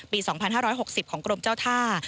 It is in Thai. ปี๒๕๖๐ของกรมเจ้าท่า